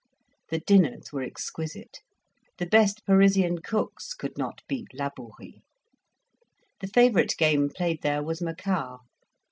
The dinners were exquisite; the best Parisian cooks could not beat Labourie. The favourite game played there was macao.